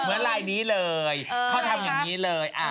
เหมือนรายนี้เลยเขาทำอย่างนี้เลย